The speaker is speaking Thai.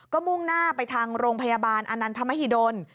ก็มุ่งหน้าไปทางโรงพยาบาลอนันทมหิดล